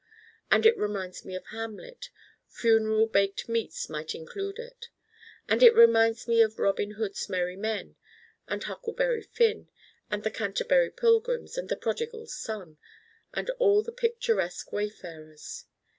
And it reminds me of Hamlet funeral baked meats might include it. And it reminds me of Robin Hood's merry men, and Huckleberry Finn, and the Canterbury Pilgrims, and the Prodigal Son, and all the picturesque wayfarers.